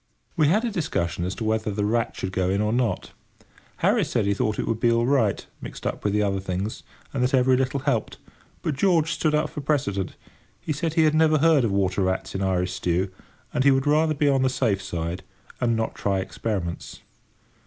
We had a discussion as to whether the rat should go in or not. Harris said that he thought it would be all right, mixed up with the other things, and that every little helped; but George stood up for precedent. He said he had never heard of water rats in Irish stew, and he would rather be on the safe side, and not try experiments.